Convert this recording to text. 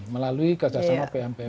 melalui kerjasama phpm